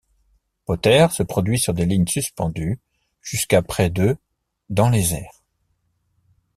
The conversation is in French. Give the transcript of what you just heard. Potter se produit sur des lignes suspendues jusqu'à près de dans les airs.